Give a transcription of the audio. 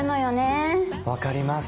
分かります。